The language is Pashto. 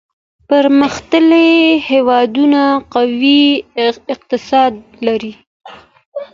پرمختللي هېوادونه قوي اقتصاد لري.